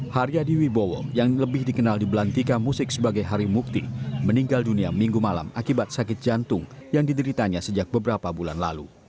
haryadi wibowo yang lebih dikenal di belantika musik sebagai hari mukti meninggal dunia minggu malam akibat sakit jantung yang dideritanya sejak beberapa bulan lalu